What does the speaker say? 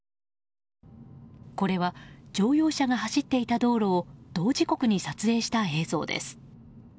これは乗用車が走っていた道路を同時刻に撮影した映像です。